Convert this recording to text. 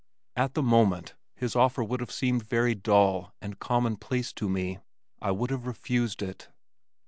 At the moment his offer would have seemed very dull and commonplace to me. I would have refused it.